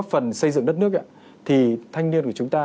thủ tướng đất nước ạ thì thanh niên của chúng ta